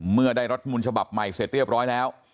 เมื่อได้รัฐมูลฉบับใหม่เสร็จเรียบร้อยแล้ว